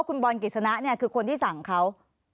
พี่บอลกิสนะ้ี่คือคนที่สั่งเขา